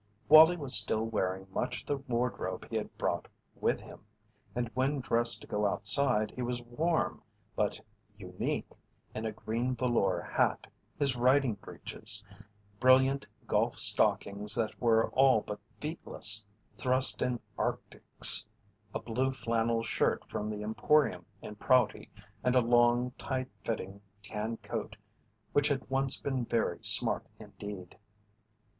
Wallie was still wearing much of the wardrobe he had brought with him, and when dressed to go outside he was warm but unique in a green velour hat, his riding breeches, brilliant golf stockings that were all but feetless thrust in arctics, a blue flannel shirt from the Emporium in Prouty, and a long, tight fitting tan coat which had once been very smart indeed.